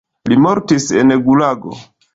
Li mortis en gulago.